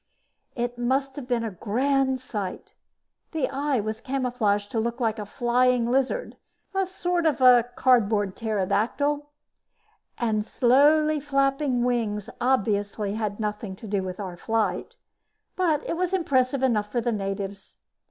It must have been a grand sight. The eye was camouflaged to look like a flying lizard, sort of a cardboard pterodactyl, and the slowly flapping wings obviously had nothing to do with our flight. But it was impressive enough for the natives.